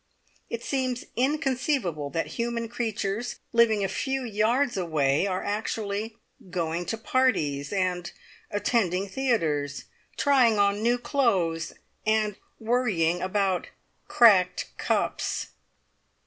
It seems inconceivable that human creatures, living a few yards away, are actually going to parties, and attending theatres, trying on new clothes, and worrying about cracked cups.